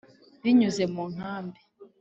binyuze mu nkambi